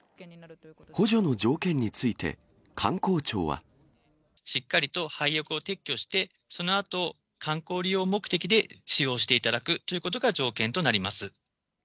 補助の条件について、しっかりと廃屋を撤去して、そのあと、観光利用目的で使用していただくということが条件となります。